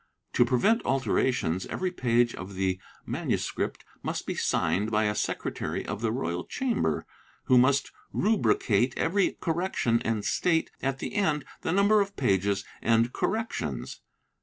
To prevent alterations, every page of the MS. must be signed by a secretary of the royal chamber, who must rubricate every correc tion and state at the end the number of pages and corrections.